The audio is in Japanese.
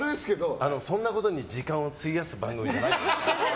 そんなことに時間を費やす番組じゃないでしょ。